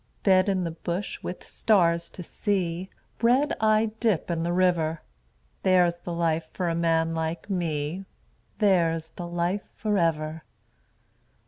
Bed in the bush with stars to see, Bread I dip in the river There's the life for a man like me, There's the life for ever.